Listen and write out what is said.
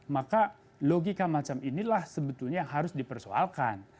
maka logika macam inilah sebetulnya yang harus dipersoalkan